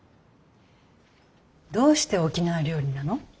どうして沖縄料理なの？